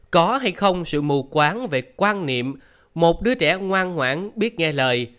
có hay không sự mù quáng về quan niệm một đứa trẻ ngoan ngoãn biết nghe lời